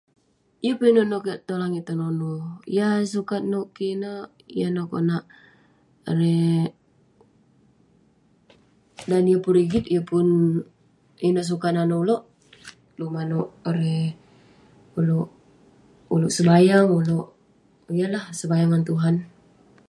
Yeng pun inouk nouk kik tong langit tenonu. Yah eh sukat nouk kik ineh, yan neh konak erei- dan yeng pun rigit yeng pun ineh sukat nanouk ulouk. Ulouk manouk erei- ulouk- ulouk sebayang, ulouk- ineh lah sebayang ngan Tuhan.